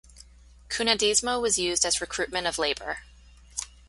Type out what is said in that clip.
"Cunhadismo" was used as recruitment of labour.